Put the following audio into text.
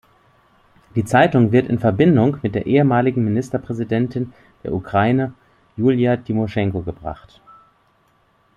Die Zeitung wird in Verbindung mit der ehemaligen Ministerpräsidentin der Ukraine Julija Tymoschenko gebracht.